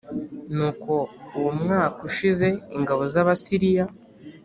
Nuko uwo mwaka ushize ingabo z Abasiriya